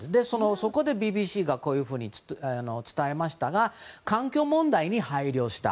そこでＢＢＣがこういうふうに伝えましたが環境問題に配慮した。